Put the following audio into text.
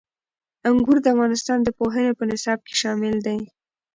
انګور د افغانستان د پوهنې په نصاب کې شامل دي.